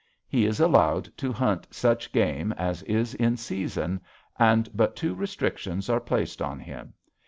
He is allowed to hunt such game as is in season, and but two restrictions are placed on him.